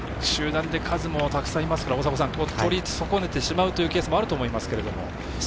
集団で数もたくさんいますから取り損ねてしまうというケースもあるかと思いますが。